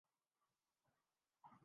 نہ کہ اس سارے حساب کتاب سے پہلے۔